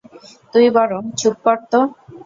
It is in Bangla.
তুই বরং চুপ কর তো।